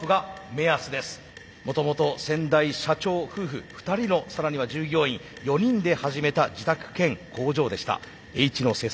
もともと先代社長夫婦２人の更には従業員４人で始めた自宅兼工場でしたＨ野製作所。